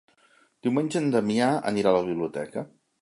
Diumenge en Damià anirà a la biblioteca.